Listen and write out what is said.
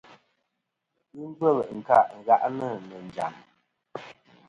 Ghɨ ngvêl nkâʼ ngàʼnɨ̀ nɨ̀ njàm.